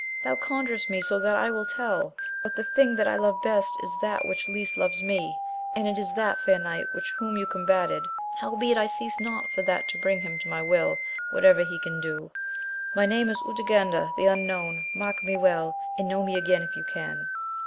Thou conjurest me so that I will tell : but the thing that I love best is that which least loves me, and it is that fair knight with whom you combated ; howbeit I cease not for that to bring him to my will, whatever he can do. My name is Urganda the Unknown, mark me well, and know me again if you can